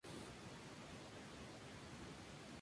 Boletín de Historia y Antigüedades.